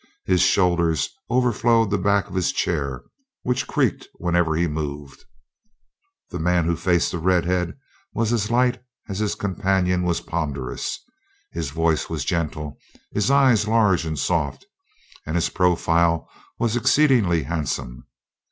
His shoulders over flowed the back of his chair, which creaked whenever he moved. The man who faced the redhead was as light as his companion was ponderous. His voice was gentle, his eyes large and soft, and his profile was exceedingly handsome.